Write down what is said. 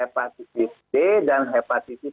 agar tidak bisa di temukan hepatitis